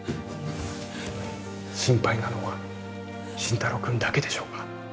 心配なのは心太朗君だけでしょうが